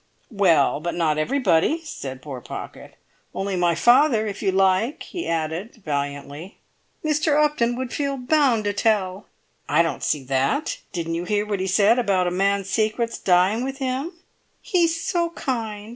"Well, but not everybody," said poor Pocket. "Only my father, if you like!" he added, valiantly. "Mr. Upton would feel bound to tell." "I don't see that. Didn't you hear what he said about a man's secrets dying with him?" "He's so kind!